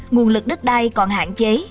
nguồn lực đất đai còn hạn chế